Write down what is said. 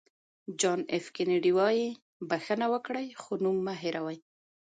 جان اېف کینېډي وایي بښنه وکړئ خو نوم مه هېروئ.